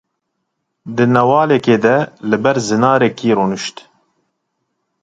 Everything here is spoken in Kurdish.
Di newalekê de li ber zinarekî rûnişt.